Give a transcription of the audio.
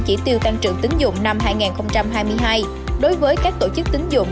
chỉ tiêu tăng trưởng tín dụng năm hai nghìn hai mươi hai đối với các tổ chức tín dụng